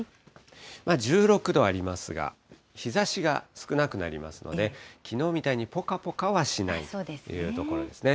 １６度ありますが、日ざしが少なくなりますので、きのうみたいにぽかぽかはしないというところですね。